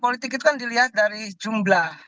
politik itu kan dilihat dari jumlah